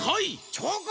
チョコ！